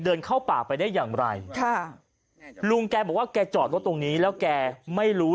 เข้าป่าไปได้อย่างไรค่ะลุงแกบอกว่าแกจอดรถตรงนี้แล้วแกไม่รู้